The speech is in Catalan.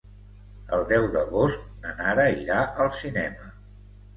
El deu d'agost na Nara irà al cinema.